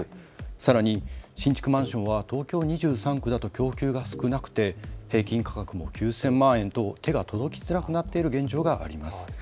さらに新築マンションは東京２３区だと供給が少なくて平均価格も９０００万円と手が届きづらくなっている現状があります。